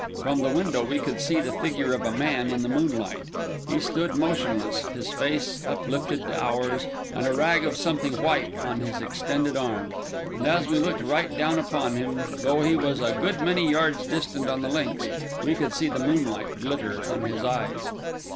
From the window we could see the figure of a man in the moonlight; he stood motionless, his face uplifted to ours, and a rag of something white on his extended arm; and as we looked right down upon him, though he was a good many yards distant on the links, we could see the moonlight glitter on his eyes.